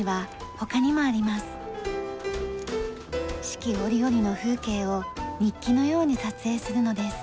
四季折々の風景を日記のように撮影するのです。